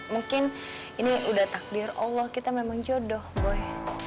mungkin ini udah takdir allah kita memang jodoh boleh